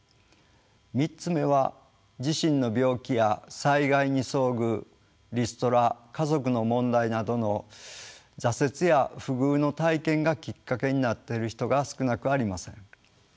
３つ目は自身の病気や災害に遭遇リストラ家族の問題などの挫折や不遇の体験がきっかけになっている人が少なくありません。